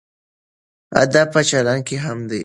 ادب په چلند کې هم وي.